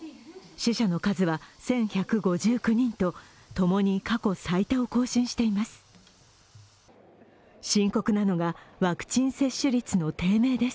死者の数は１１５９人と、共に過去最多を更新しています。